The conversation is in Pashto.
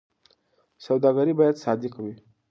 سوداګر باید صادق وي.